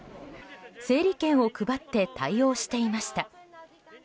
整理券を配って対応していました。